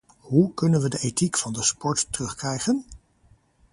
Hoe kunnen we de ethiek van de sport terugkrijgen?